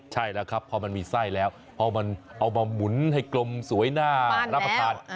ใช่แล้วครับพอมันมีไส้แล้วพอมันเอามาหมุนให้กลมสวยน่ารับประทาน